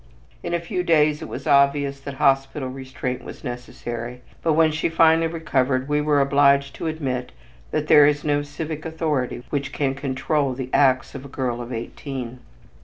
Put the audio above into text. In a few days it was obvious that hospital restraint was necessary, but when she finally recovered we were obliged to admit that there is no civic authority which can control the acts of a girl of eighteen.